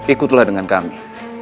ikutlah dengan kami